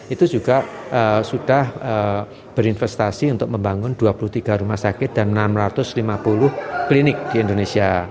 itu juga sudah berinvestasi untuk membangun dua puluh tiga rumah sakit dan enam ratus lima puluh klinik di indonesia